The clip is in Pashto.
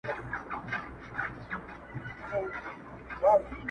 o اسان ئې نالول، چنگښو هم پښې پورته کړې٫